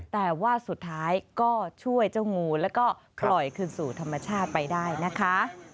แต่ว่าสุดท้ายก็ช่วยเจ้างูแล้วก็ปล่อยคืนสู่ธรรมชาติไปได้นะคะ